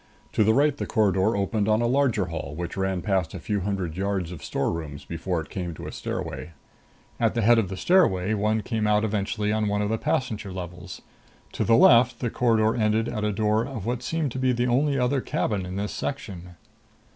To the right the corridor opened on a larger hall which ran past a few hundred yards of storerooms before it came to a stairway. At the head of the stairway, one came out eventually on one of the passenger levels. To the left the corridor ended at the door of what seemed to be the only other cabin in this section.